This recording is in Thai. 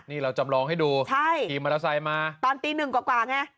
นี่เราจำลองให้ดูใช่ขี่มอเตอร์ไซค์มาตอนตีหนึ่งกว่าไง